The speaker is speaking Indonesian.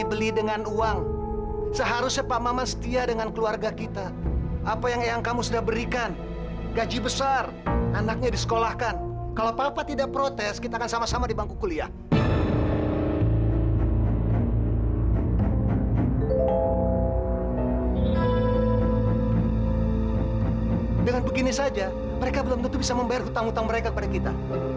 bagaimana saja mereka belum tentu bisa membayar hutang hutang mereka kepada kita